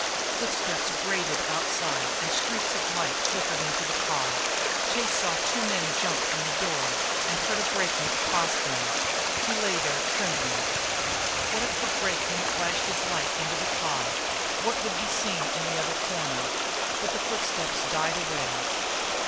Footsteps grated outside, and streaks of light flickered into the car. Chase saw two men jump from the door and heard a brake man accost them. He lay there trembling. What if the brakeman flashed his light into the car? What would be seen in the other corner? But the footsteps died away.